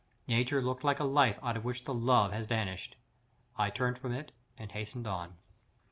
Nature looked like a life out of which the love has vanished. I turned from it and hastened on.